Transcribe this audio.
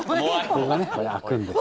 ここがね開くんです。